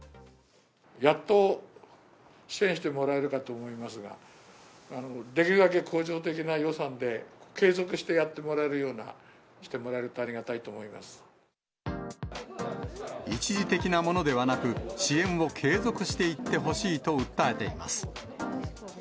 やっと支援してもらえるかと思いますが、できるだけ恒常的な予算で、継続してやってもらえるようにしてもらえるとありがたいと思いま一時的なものではなく、支援を継続していってほしいと訴えています。